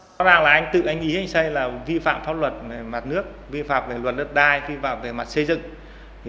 rõ ràng là anh tự anh ý anh xây là vi phạm pháp luật về mặt nước vi phạm về luật đất đai vi phạm về mặt xây dựng